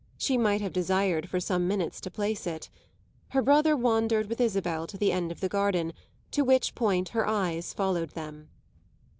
She might have desired for some minutes to place it. Her brother wandered with Isabel to the end of the garden, to which point her eyes followed them.